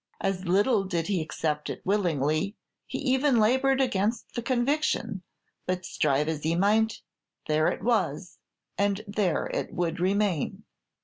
As little did he accept it willingly; he even labored against the conviction: but, strive as he might, there it was, and there it would remain.